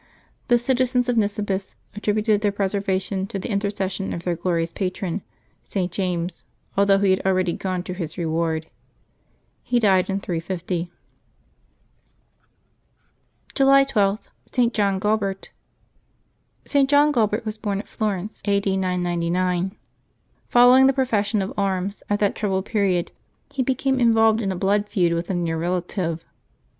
The citizens of [N'isibis at tributed their preservation to the intercession of their glorious patron, St. James, although he had already gone to his reward. He died in 350. July 12.— ST. JOHN GUALBERT. iSi'^' John" Gualbbet was born at Florence, a. D 999. S^ Following the profession of arms at that troubled period, he became involved in a blood feud with a near relative.